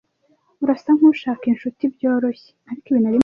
Urasa nkushaka inshuti byoroshye.